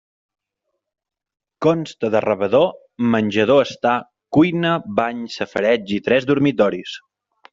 Consta de rebedor, menjador-estar, cuina, bany, safareig i tres dormitoris.